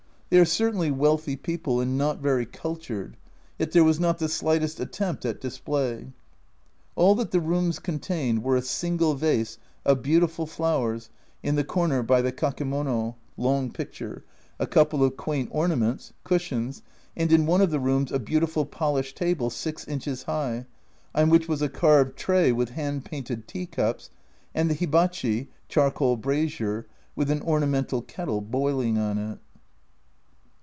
They are certainly wealthy people, and not very cultured, yet there was not the slightest attempt at display. All that the rooms contained were a single vase of beautiful flowers in the corner by the kakemono (long picture), a couple of quaint orna ments, cushions, and in one of the rooms a beautiful polished table 6 inches high, on which was a carved tray with hand painted tea cups, and the hibachi (charcoal brazier) with an ornamental kettle boiling on it.